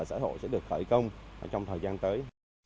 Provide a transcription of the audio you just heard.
xã hội sẽ được khởi công trong thời gian tới